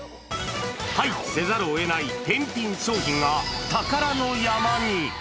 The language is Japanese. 廃棄せざるをえない返品商品が宝の山に。